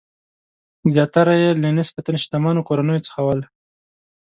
زیاتره یې له نسبتاً شتمنو کورنیو څخه ول.